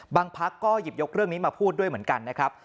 พักก็หยิบยกเรื่องนี้มาพูดด้วยเหมือนกันนะครับ